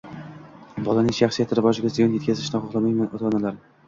Bolaning shaxsiyati rivojiga ziyon yetkazishni xohlamaydigan ota-onalar